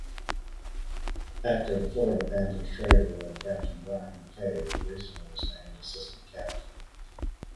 After the Florida Panthers traded away captain Bryan McCabe, Reasoner was named assistant captain.